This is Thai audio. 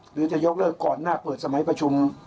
หรือจะยกเลิกก่อนหน้าเปิดสมัยประชุม